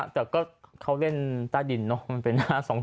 แต่ก็เขาเล่นใต้ดินเนอะมันเป็น๕๒๒